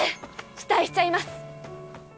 期待しちゃいます。